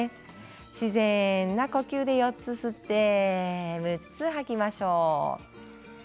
自然な呼吸で４つ吸って６つ吐きましょう。